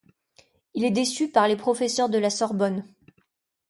Il est déçu par les professeurs de la Sorbonne.